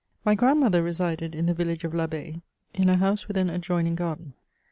My grandmother resided in the village of TAbbaye, in a bouse with an adjoining garden.